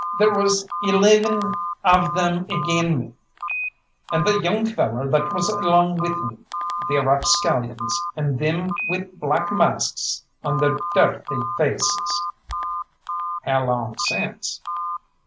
There was elivan av thim agin' me and the young feller that was along with me, the rapscallions, and thim with black masks on their dirthy faces!" "How long since?"